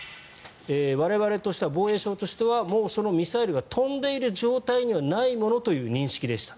我々としては防衛省としてはもうそのミサイルが飛んでいる状態にはないものという認識でした。